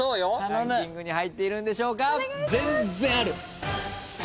ランキングに入っているんでしょうか？